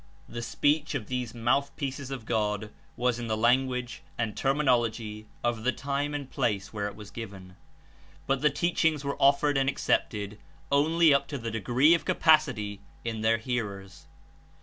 The speech of these Mouthpieces of God was In the language and terminology of the time and place where It was given, but the teachings were offered and accepted only up to the degree of capacity In their hearers.